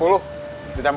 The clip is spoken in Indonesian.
iya udah siap